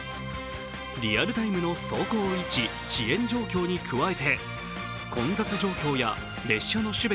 リアルタイムの走行位置、遅延状況に加えて混雑状況や列車の種別